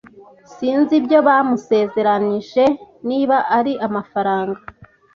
sinzi ibyo bamusezeranyije niba ari amafaranga,